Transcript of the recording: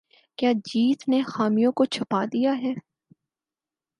کیا جیت نے خامیوں کو چھپا دیا ہے